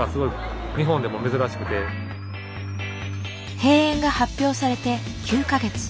閉園が発表されて９か月。